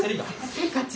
せっかち。